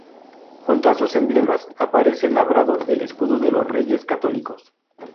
Junto a sus emblemas, aparece labrado el escudo de los Reyes Católicos.